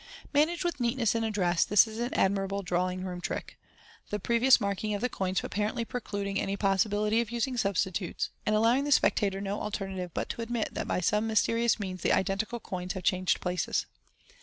Managed with neatness and address, this is an admirable drawing room trick j the previous marking of the coins apparently precluding any possibility of using substitutes, and allowing the spectator no alternative but to admit that by some mysterious means the identical coins have changed places.